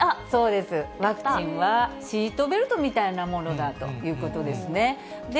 そうです、ワクチンはシートベルトみたいなものだということですね。